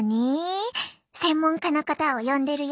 専門家の方を呼んでるよ。